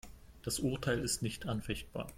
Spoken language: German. Das Urteil ist nicht anfechtbar.